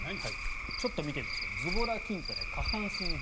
ちょっと見てみましょうズボラ筋トレ、下半身編。